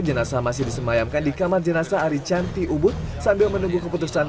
jenazah masih disemayamkan di kamar jenazah hari cantik ubud sambil menunggu keputusan